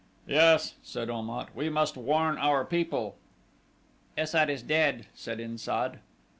"Yes," said Om at, "we must warn our people." "Es sat is dead," said In sad.